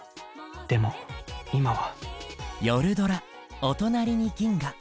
でも今は。